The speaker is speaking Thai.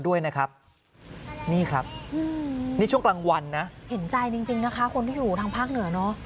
ด้วยนะครับนี่ครับนี่ทางวันนะเห็นใจจริงนะคะคุณอยู่ทางภาคเหนือเนาะ